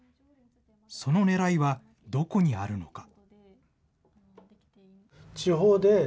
そのねらいはどこにあるのか。